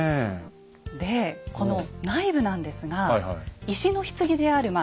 でこの内部なんですが石のひつぎであるま